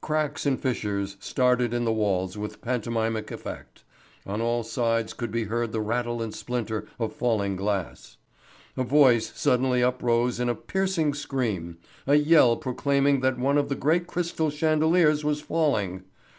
Cracks and fissures started in the walls with pantomimic effect, on all sides could be heard the rattle and splinter of falling glass. A voice suddenly uprose in a piercing scream, a yell proclaimed that one of the great crystal chandeliers was falling.